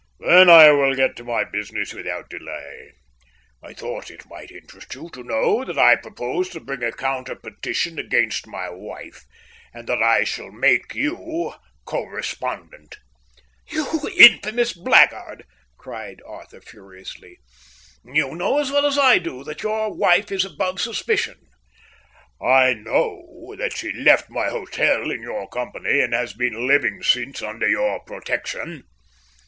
"Then I will get to my business without delay. I thought it might interest you to know that I propose to bring a counter petition against my wife, and I shall make you co respondent." "You infamous blackguard!" cried Arthur furiously. "You know as well as I do that your wife is above suspicion." "I know that she left my hotel in your company, and has been living since under your protection."